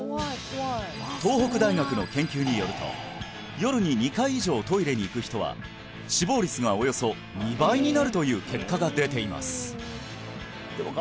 東北大学の研究によると夜に２回以上トイレに行く人は死亡率がおよそ２倍になるという結果が出ています